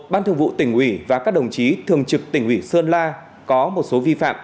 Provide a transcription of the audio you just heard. ban thường vụ tỉnh ủy và các đồng chí thường trực tỉnh ủy sơn la có một số vi phạm